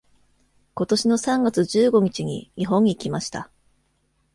今年の三月十五日に日本に来ました。